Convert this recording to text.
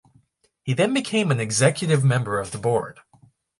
He then became an executive member of the board.